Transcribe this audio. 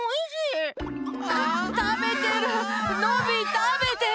たべてる。